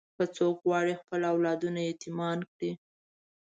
که څوک غواړي خپل اولادونه یتیمان کړي.